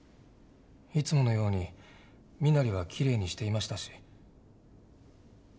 いつものように身なりはきれいにしていましたし。